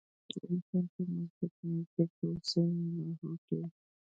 د انسان ټوله مثبت انرجي پۀ سين لاهو کوي -